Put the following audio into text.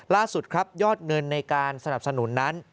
ล่าสุดครับยอดเงินในการสนับสนุนนั้น